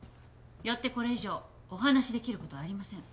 よってこれ以上お話しできることはありません。